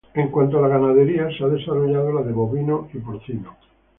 En cuanto a la ganadería, se ha desarrollado la de bovinos y porcinos.